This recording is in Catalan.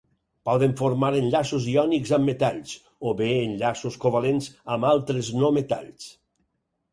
Poden formar enllaços iònics amb metalls, o bé enllaços covalents amb altres no-metalls.